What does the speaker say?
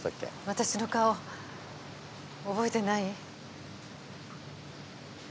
私の顔覚えてない？